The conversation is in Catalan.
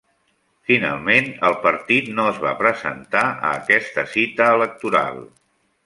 Finalment, el partit no es va presentar a aquesta cita electoral.